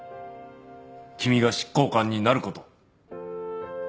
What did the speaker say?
君が執行官になる事。